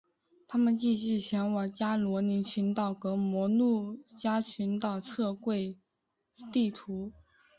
他们继续前往加罗林群岛和摩鹿加群岛测绘地图。